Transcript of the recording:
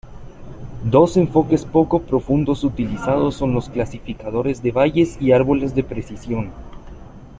Dos enfoques poco profundos utilizados son los clasificadores de Bayes y árboles de decisión.